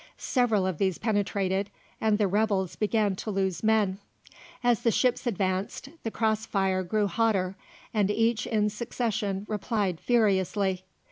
Several of these penetrated, and the rebels began to lose men. As the ships advanced, the cross fire grew hotter, and each in succession replied furiously.